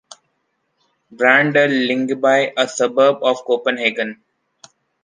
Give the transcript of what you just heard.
Brand a Lyngby, a suburb of Copenaghen.